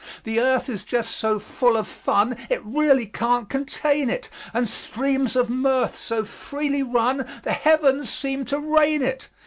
The earth is just so full of fun It really can't contain it; And streams of mirth so freely run The heavens seem to rain it.